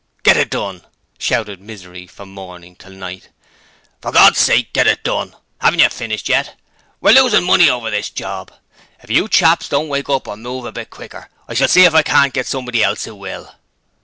'Get it done!' shouted Misery from morning till night. 'For God's sake get it done! Haven't you finished yet? We're losing money over this "job"! If you chaps don't wake up and move a bit quicker, I shall see if I can't get somebody else who will.'